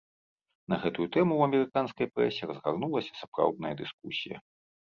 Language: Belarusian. На гэтую тэму ў амерыканскай прэсе разгарнулася сапраўдная дыскусія.